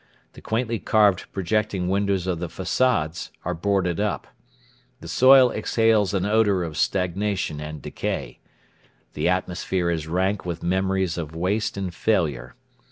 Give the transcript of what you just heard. The quaintly carved projecting windows of the facades are boarded up. The soil exhales an odour of stagnation and decay. The atmosphere is rank with memories of waste and failure.